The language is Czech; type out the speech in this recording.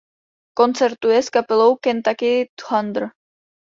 Koncertuje s kapelou Kentucky Thunder.